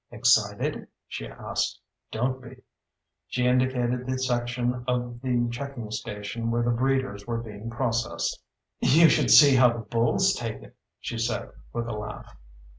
"Excited?" she asked. "Don't be." She indicated the section of the checking station where the breeders were being processed. "You should see how the bulls take it," she said with a laugh.